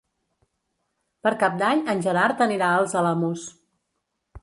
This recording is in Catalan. Per Cap d'Any en Gerard anirà als Alamús.